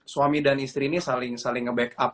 suami dan istri ini saling nge backup